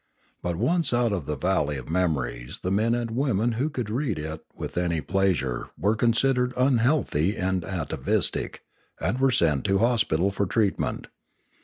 But once out of the valley of memories the men and women who could read it with any pleasure were considered unhealthy and ata vistic, and were sent to hospital for treatment.